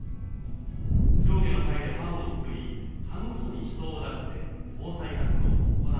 上下の階で班を作り班ごとに人を出して防災活動を行っているのです。